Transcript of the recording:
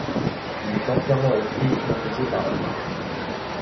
Il est entièrement écrit et composé par l'interprète.